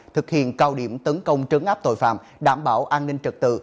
thực hiện cao điểm tấn công trấn áp tội phạm đảm bảo an ninh trật tự